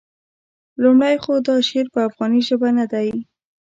لومړی خو دا شعر په افغاني ژبه نه دی.